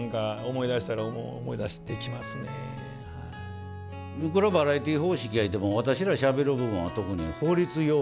いくらバラエティー方式やゆうても私らしゃべる部分は特に法律用語がね。